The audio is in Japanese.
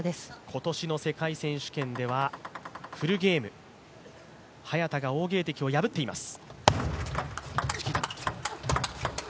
今年の世界選手権ではフルゲーム早田が王ゲイ迪を破っています。